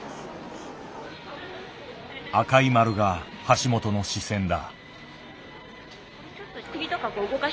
赤い丸が橋本の視線だ。